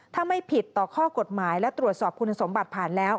ถ้าไม่ผิดต่อข้อกฎหมายและตรวจสอบคุณสมบัติผ่านแล้ว